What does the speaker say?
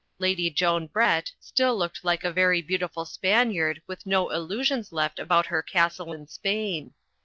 Lady Joan Brett still looked like a very beautiful Spaniard with no illusions left about her castle in Spain.